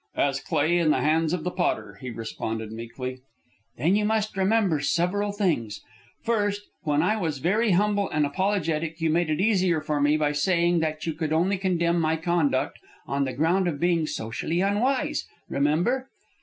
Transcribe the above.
"As clay in the hands of the potter," he responded, meekly. "Then you must remember several things. At first, when I was very humble and apologetic, you made it easier for me by saying that you could only condemn my conduct on the ground of being socially unwise. Remember?"